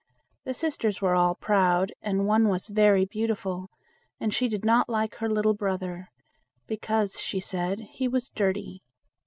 The sisters were all proud, and one was very beautiful, and she did not like her little brother, "because", she said, "he was dirty".